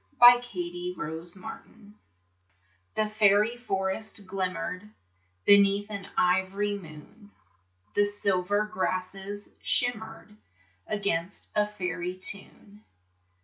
The Faery Forest The faery forest glimmered Beneath an ivory moon, The silver grasses shimmered Against a faery tune.